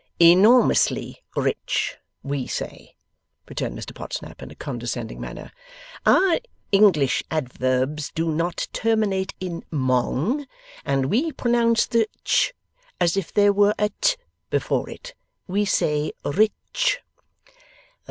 'Enormously Rich, We say,' returned Mr Podsnap, in a condescending manner. 'Our English adverbs do Not terminate in Mong, and We Pronounce the "ch" as if there were a "t" before it. We say Ritch.